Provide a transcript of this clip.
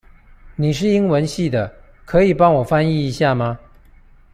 你是英文系的，可以幫我翻譯一下嗎？